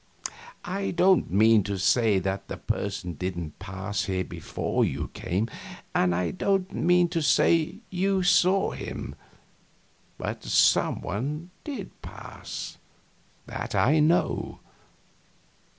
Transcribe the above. I don't mean to say that the person didn't pass here before you came, and I don't mean to say you saw him, but some one did pass, that I know.